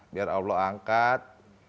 biar allah anggap